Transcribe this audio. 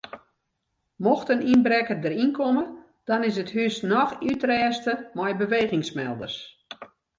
Mocht in ynbrekker deryn komme dan is it hús noch útrêste mei bewegingsmelders.